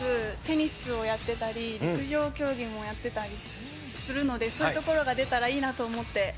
テニスをやってたり陸上競技もやってたりするのでそういうところが出たらいいなと思って。